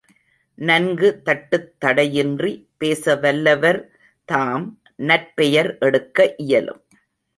நன்கு தட்டுத் தடையின்றி பேசவல்லவர் தாம் நற்பெயர் எடுக்க இயலும்.